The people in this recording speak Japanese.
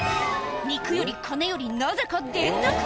肉より金よりなぜか電卓？